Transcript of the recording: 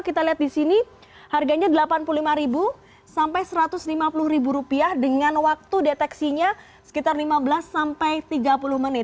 kita lihat di sini harganya rp delapan puluh lima sampai rp satu ratus lima puluh dengan waktu deteksinya sekitar lima belas sampai tiga puluh menit